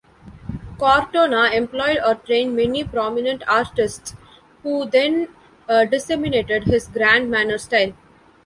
Cortona employed or trained many prominent artists, who then disseminated his grand manner style.